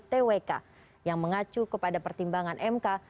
presiden juga mencari pembahasan twk yang mengacu kepada pertimbangan mk